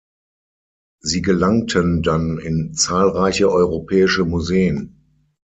Sie gelangten dann in zahlreiche europäische Museen.